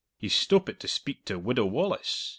"He's stoppit to speak to Widow Wallace.